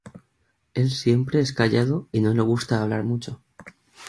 Él siempre es callado y no le gusta hablar mucho.